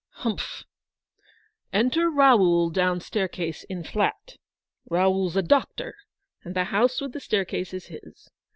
" Humph ! Enter Raoul down staircase in flat. Retold' s a doctor, and the house with the staircase is his.